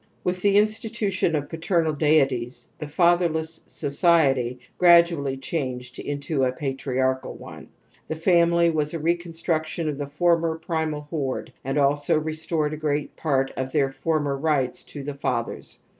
hpr^ nig gnely, thg g^^If^ ^^ganiyiat^'^" Wi»i the institution ol^ paternal deities the fatherless society gradually changed into a patriarchal one. The family was a reconstruction of the former primal horde and also restored a great part of their former rights to the fathers.